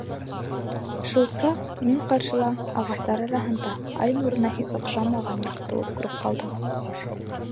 Шул саҡ мин ҡаршыла, ағастар араһында, ай нурына һис оҡшамаған яҡтылыҡ күреп ҡалдым.